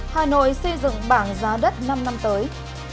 hà nội xây dựng bảng giá đất năm năm tới